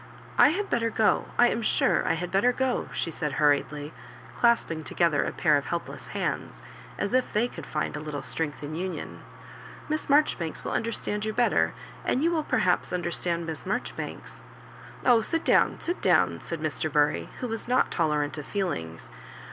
"I had better go — I am sure I Iiad better go," she said, hurriedly, clasping together a pair of helpless hands, as if they could find a little strength in union. " Miss Marjoribanks will understand you better, and you will, perhaps understand Miss Marjoribanks "" Oh, sit down, sit down," said Mr. Bury, who was not tolerant of feelings.